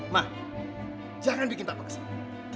ma jangan bikin papa kesana